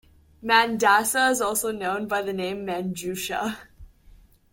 Mandasa is also known by the name "Manjusha".